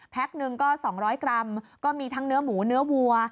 หนึ่งก็๒๐๐กรัมก็มีทั้งเนื้อหมูเนื้อวัว